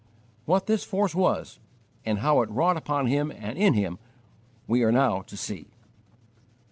What this force was, and how it wrought upon him and in him, we are now to see.